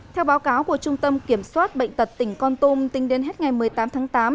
theo báo cáo của trung tâm kiểm soát bệnh tật tỉnh con tôm tính đến hết ngày một mươi tám tháng tám